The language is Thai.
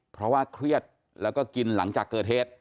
เพราะว่าเครียดแล้วก็กินหลังจากเกิดเหตุ